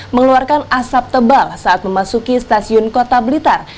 mengeluarkan asap tebal saat memasuki stasiun kota blitar